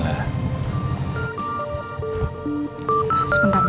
saat andi melihat kalau makam itu kosong